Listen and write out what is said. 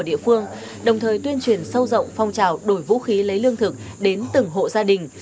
địa phương đồng thời tuyên truyền sâu rộng phong trào đổi vũ khí lấy lương thực đến từng hộ gia đình